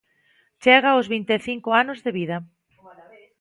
Chega aos vinte e cinco anos de vida.